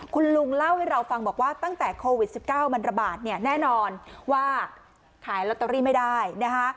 คุณลุงเล่าให้เราฟังบอกว่าตั้งแต่โควิด๑๙มันระบาดเนี่ยแน่นอนว่าขายลอตเตอรี่ไม่ได้นะคะ